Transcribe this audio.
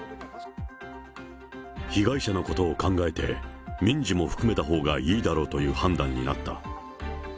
被害者のことを考えて、民事も含めたほうがいいだろうという判断になった。